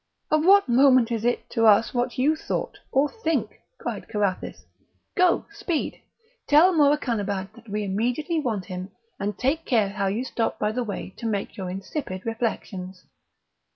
"Of what moment is it to us what you thought, or think?" cried Carathis; "go, speed, tell Morakanabad that we immediately want him; and take care how you stop by the way to make your insipid reflections."